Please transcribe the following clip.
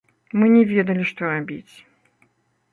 Мы не ведалі, што рабіць.